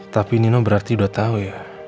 tapi nino berarti udah tau ya